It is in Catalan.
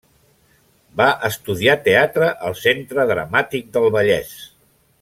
Va estudiar teatre al Centre Dramàtic del Vallès.